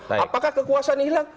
apakah kekuasaan hilang